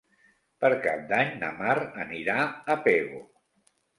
Per Cap d'Any na Mar anirà a Pego.